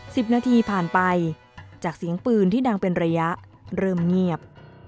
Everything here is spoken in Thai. สิบนาทีผ่านไปจากเสียงปืนที่ดังเป็นระยะเริ่มเงียบ